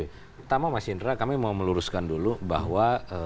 pertama mas indra kami mau meluruskan dulu bahwa